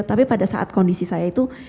tapi pada saat kondisi saya itu